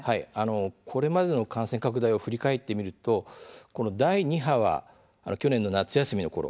これまでの感染拡大を振り返ってみると第２波は去年の夏休みのころ